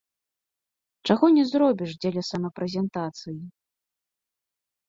Чаго не зробіш дзеля самапрэзентацыі!